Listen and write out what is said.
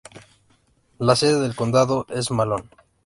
La sede del condado es Malone.